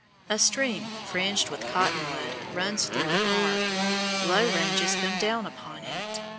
A stream fringed with cotton wood runs through the park; low ranges come down upon it.